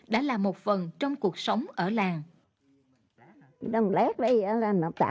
đã là một phần trong cuộc sống ở làng